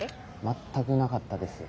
全くなかったです。